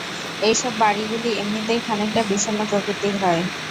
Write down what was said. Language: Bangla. এইসব বাড়িগুলি এমনিতেই খানিকটা বিষগ্ন প্রকৃতির হয়।